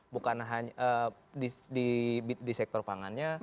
bukan hanya di sektor pangannya